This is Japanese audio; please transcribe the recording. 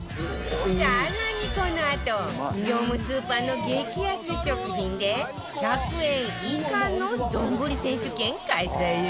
更にこのあと業務スーパーの激安食品で１００円以下の丼選手権開催よ